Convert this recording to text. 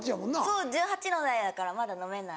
そう１８の代だからまだ飲めない。